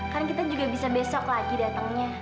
kan kita juga bisa besok lagi datangnya